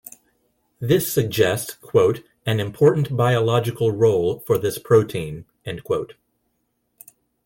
This suggests "an important biological role for this protein".